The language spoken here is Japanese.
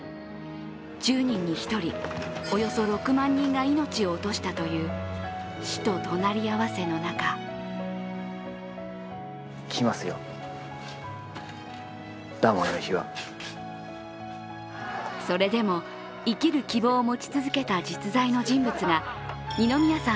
１０人に１人、およそ６万人が命を落としたという死と隣り合わせの中それでも生きる希望を持ち続けた実在の人物が二宮さん